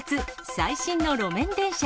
最新の路面電車。